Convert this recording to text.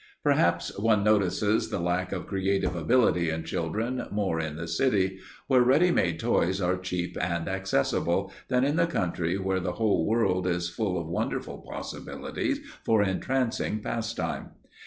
Perhaps one notices the lack of creative ability in children more in the city where ready made toys are cheap and accessible, than in the country where the whole world is full of wonderful possibilities for entrancing pastime.